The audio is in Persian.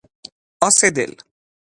آس دل